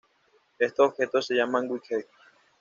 Estos objetos se llaman widgets.